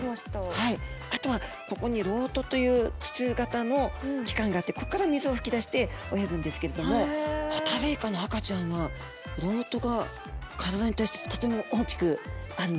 あとはここに漏斗という筒型の器官があってここから水を吹き出して泳ぐんですけれどもホタルイカの赤ちゃんは漏斗が体に対してとても大きくあるのが分かりました。